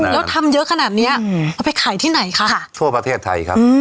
แล้วทำเยอะขนาดเนี้ยเอาไปขายที่ไหนคะทั่วประเทศไทยครับ